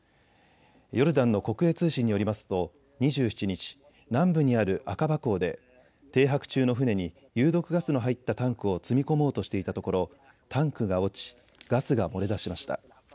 ヨルダンの国営通信によりますと２７日、南部にあるアカバ港で停泊中の船に有毒ガスの入ったタンクを積み込もうとしていたところ、タンクが落ちガスが漏れ出しました。